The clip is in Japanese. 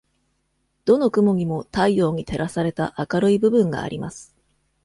どの雲にも太陽に照らされた明るい部分があります。